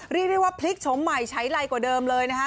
เรียกได้ว่าพลิกชมใหม่ใช้ไรกว่าเดิมเลยนะคะ